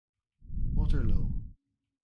Waterlow.